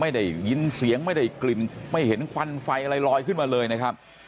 ไม่ได้ยินเสียงไม่ได้กลิ่นไม่เห็นควันไฟอะไรลอยขึ้นมาเลยนะครับ